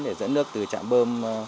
để dẫn nước từ trạm bơm